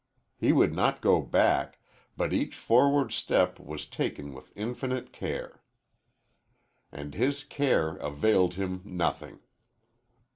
He would not go back, but each forward step was taken with infinite care. And his care availed him nothing.